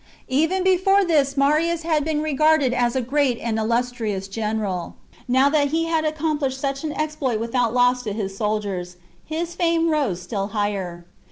Even before this Marius had been regarded as a great and illustrious general ; now that he had accom plished such an exploit without loss to his soldiers, his fame rose still higher.